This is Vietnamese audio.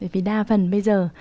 vì đa phần bây giờ